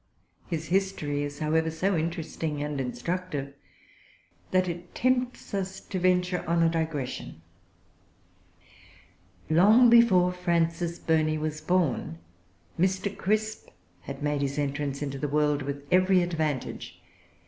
His history[Pg 341] is, however, so interesting and instructive, that it tempts us to venture on a digression. Long before Frances Burney was born, Mr. Crisp had made his entrance into the world, with every advantage.